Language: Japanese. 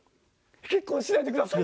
結婚しないでください！